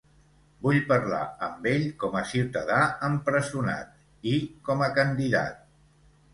Vull parlar amb ell com a ciutadà empresonat, i com a candidat.